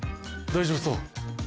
大丈夫そう。